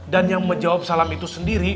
dan yang menjawab salam itu sendiri